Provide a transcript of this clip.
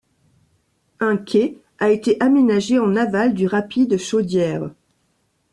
Un quai a été aménagé en aval du rapide Chaudière.